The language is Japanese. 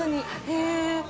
へえ。